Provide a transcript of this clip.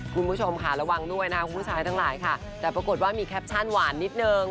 คุณผู้ชมค่ะระวังด้วยนะคะคุณผู้ชายทั้งหลายค่ะแต่ปรากฏว่ามีแคปชั่นหวานนิดนึง